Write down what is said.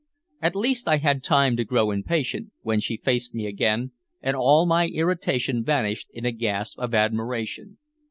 At least I had time to grow impatient, when she faced me again, and all my irritation vanished in a gasp of admiration.